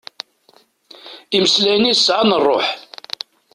Imeslayen-is sɛan rruḥ.